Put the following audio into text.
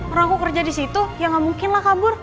orang aku kerja disitu ya gak mungkin lah kabur